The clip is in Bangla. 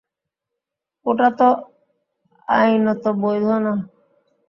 ওটা তো আইনত অবৈধ না।